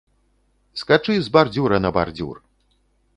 Скачы з бардзюра на бардзюр!